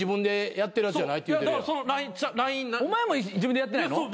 お前も自分でやってないの？